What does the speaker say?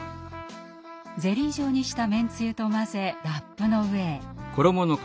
ゼリー状にしためんつゆと混ぜラップの上へ。